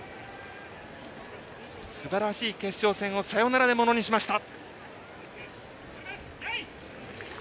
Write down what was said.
すばらしい決勝戦をサヨナラでものにしました。